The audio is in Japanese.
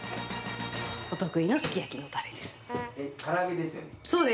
お得意のすき焼きのたれです。